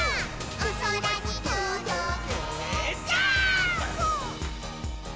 「おそらにとどけジャンプ！！」